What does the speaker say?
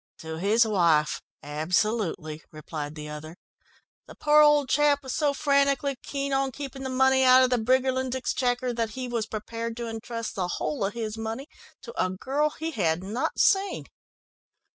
"To his wife absolutely," replied the other. "The poor old chap was so frantically keen on keeping the money out of the Briggerland exchequer, that he was prepared to entrust the whole of his money to a girl he had not seen."